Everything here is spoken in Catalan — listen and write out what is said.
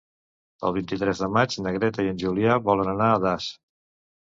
El vint-i-tres de maig na Greta i en Julià volen anar a Das.